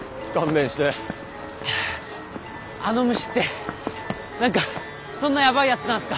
あの虫って何かそんなやばいやつなんすか？